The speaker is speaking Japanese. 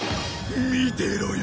見てろよ